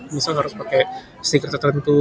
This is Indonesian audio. misal harus pakai stiker tertentu